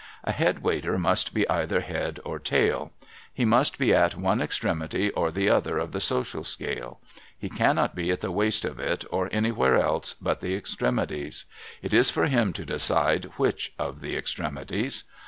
A Head Waiter must be either Head or Tail. He must be at one extremity or the other of the social scale. He cannot be at the waist of it, or anywhere else but the extremities. It is for him to decide which of the extremities.